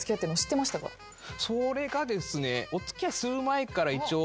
それがですねお付き合いする前から一応。